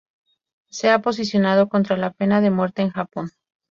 Se ha posicionado contra la pena de muerte en Japón.